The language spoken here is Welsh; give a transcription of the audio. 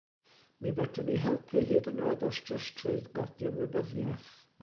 Mi fedran ni helpu hyd yn oed os jyst trwy godi ymwybyddiaeth.